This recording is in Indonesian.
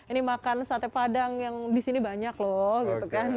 ini makan sate padang yang di sini banyak loh